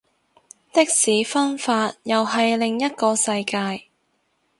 的士分法又係另一個世界